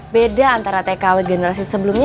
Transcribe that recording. beda antara tkw generasi sebelumnya